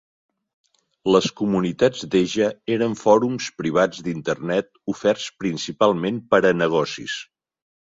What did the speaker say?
Les Comunitats Deja eren fòrums privats d'Internet oferts principalment per a negocis.